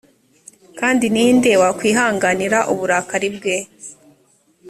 kandi ni nde wakwihanganira uburakari bwe